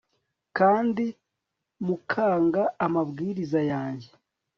kandi mukanga amabwiriza yanjye